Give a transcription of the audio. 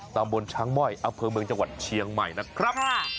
ตำบลช้างม่อยอำเภอเมืองจังหวัดเชียงใหม่นะครับ